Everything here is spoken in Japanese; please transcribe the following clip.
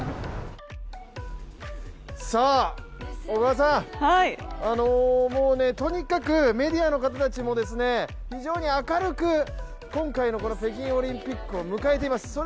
小川さん、もうとにかくメディアの方たちも非常に明るく、今回の北京オリンピックを迎えています。